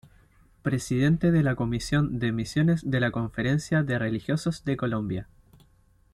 Presidente de la Comisión de Misiones de la Conferencia de Religiosos de Colombia.